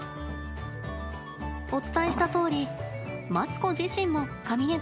お伝えしたとおりマツコ自身もかみね